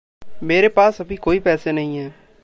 मेरे पास अभी कोई पैसे नहीं हैं।